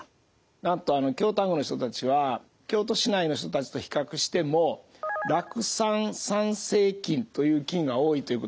なんと京丹後の人たちは京都市内の人たちと比較しても酪酸産生菌という菌が多いということに気付いたんですね。